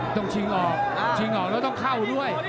ชิงออกชิงออกแล้วต้องเข้าด้วย